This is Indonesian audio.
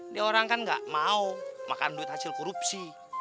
dia orang kan gak mau makan duit hasil korupsi